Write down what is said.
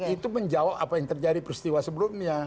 itu menjawab apa yang terjadi peristiwa sebelumnya